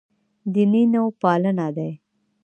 دیني نوپالنه دی.